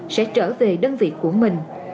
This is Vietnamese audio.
sẽ trở về đơn vị của mình